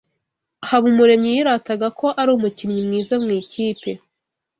Habumuremyi yirataga ko ari umukinnyi mwiza mu ikipe.